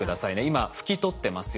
今拭き取ってますよね。